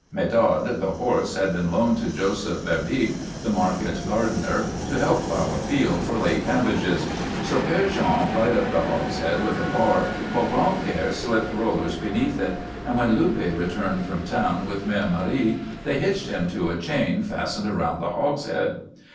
Medard, the horse, had been loaned to Joseph Verbeeck, the market gardener, to help plough a field for late cabbages. So Père Jean pried up the hogshead with a bar while Gran'père slipped rollers beneath it, and when Luppe returned from town with Mère Marie they hitched him to a chain fastened around the hogshead.